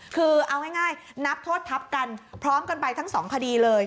คือเอาง่ายนับโทษทัพกันพร้อมกันไปทั้งสองคดีเลย